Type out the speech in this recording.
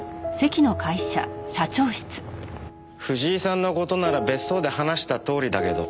藤井さんの事なら別荘で話したとおりだけど。